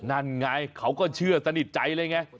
นั่นไงเขาก็เชื่อสนิทใจเลยไง